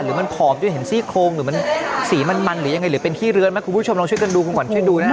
หรือมันผอมจนเห็นซี่โครงหรือมันสีมันหรือยังไงหรือเป็นขี้เรือนไหมคุณผู้ชมลองช่วยกันดูคุณขวัญช่วยดูนะฮะ